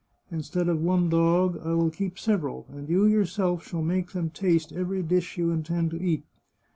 Instead of one dog, I will keep several, and you yourself shall make them taste every dish you intend to eat.